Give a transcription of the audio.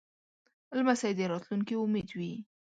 لمسی د راتلونکې امید وي.